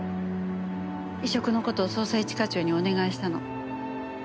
移植の事を捜査一課長にお願いしたの。